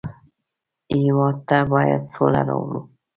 هېواد ته باید سوله راوړو